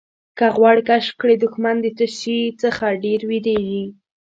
که غواړې کشف کړې دښمن د څه شي څخه ډېر وېرېږي.